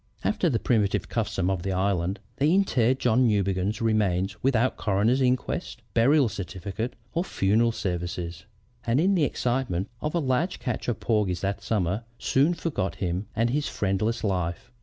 "After the primitive custom of the island, they interred John Newbegin's remains without coroner's inquest, burial certificate, or funeral services, and in the excitement of a large catch of porgies that summer, soon forgot him and his friendless life.